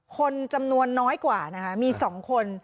คนจำนวนน้อยกว่านะคะมี๒คน